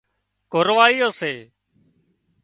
ڪڙهايون سي